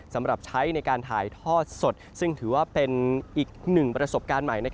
สำหรับใช้ในการถ่ายทอดสดซึ่งถือว่าเป็นอีกหนึ่งประสบการณ์ใหม่